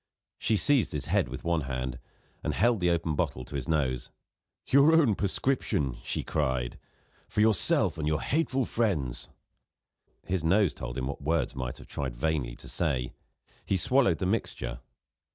She seized his head with one hand, and held the open bottle to his nose. "Your own prescription," she cried, "for yourself and your hateful friends." His nose told him what words might have tried vainly to say: he swallowed the mixture.